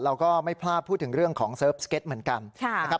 เราก็ไม่พลาดพูดถึงเรื่องของเซิร์ฟสเก็ตเหมือนกันนะครับ